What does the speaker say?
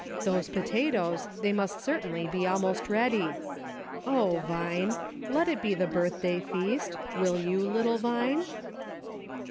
Those potatoes — they must certainly be almost ready. O Vine ! let it be the birthday feast. Will you, little Vine